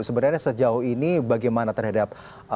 sebenarnya sejauh ini bagaimana terhadap